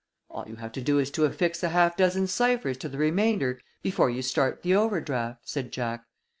"All you have to do is to affix a half dozen ciphers to the remainder before you start the overdraft," said Jack.